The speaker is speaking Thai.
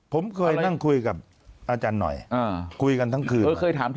ผมเคยนั่งคุยกับอาจารย์หน่อยคุยกันทั้งคืน